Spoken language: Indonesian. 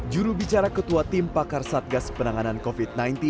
jurubicara ketua tim pakar satgas penanganan covid sembilan belas